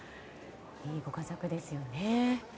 いいご家族ですよね。